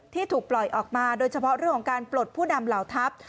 ที่ถูกปล่อยออกมาโดยเฉพาะเรื่องของการปลดผู้นำเหล่าทัพ